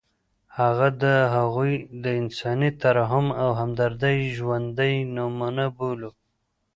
هغه د هغوی د انساني ترحم او همدردۍ ژوندۍ نمونه بولو.